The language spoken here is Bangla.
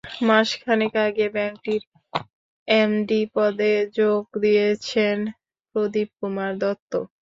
মাস খানেক আগে ব্যাংকটির এমডি পদে যোগ দিয়েছেন প্রদীপ কুমার দত্ত।